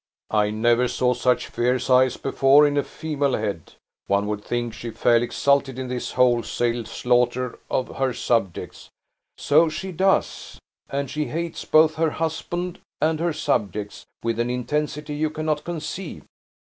"I never saw such fierce eyes before in a female head! One would think she fairly exulted in this wholesale slaughter of her subjects." "So she does; and she hates both her husband and her subjects, with an intensity you cannot conceive."